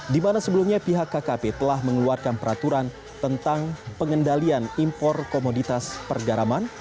di mana sebelumnya pihak kkp telah mengeluarkan peraturan tentang pengendalian impor komoditas pergaraman